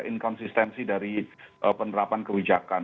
inkonsistensi dari penerapan kebijakan